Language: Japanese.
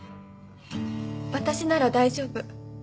私なら大丈夫。